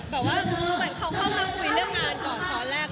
แบบว่าเขาเข้ามาคุยเรื่องงานก่อนตอนแรก